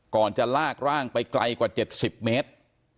จะลากร่างไปไกลกว่า๗๐เมตร